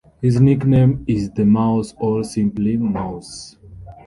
His nickname is The Mouse or simply Mouse.